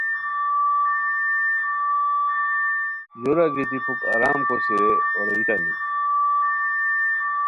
پورا گیتی پھوک آرام کوسی رے اورئیتانی